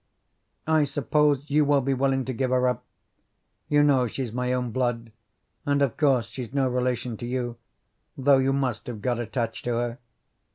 I suppose you will be willing to give her up. You know she's my own blood, and of course she's no relation to you, though you must have got attached to her.